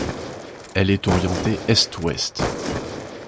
Elle est orientée Est-Ouest.